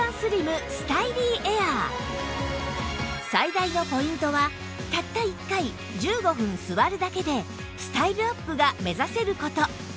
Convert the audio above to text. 最大のポイントはたった１回１５分座るだけでスタイルアップが目指せる事